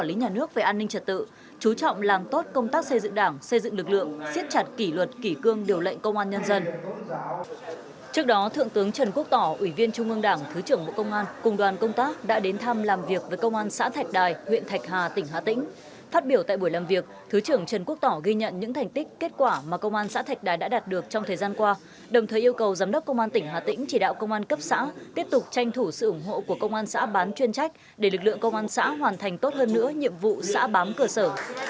trước đó thượng tướng trần quốc tỏ ủy viên trung ương đảng thứ trưởng bộ công an cùng đoàn công tác đã đến thăm làm việc với công an xã thạch đài huyện thạch hà tỉnh hà tĩnh phát biểu tại buổi làm việc thứ trưởng trần quốc tỏ ghi nhận những thành tích kết quả mà công an xã thạch đài đã đạt được trong thời gian qua đồng thời yêu cầu giám đốc công an tỉnh hà tĩnh chỉ đạo công an cấp xã tiếp tục tranh thủ sự ủng hộ của công an xã bán chuyên trách để lực lượng công an xã hoàn thành tốt hơn nữa nhiệm vụ xã bám cơ sở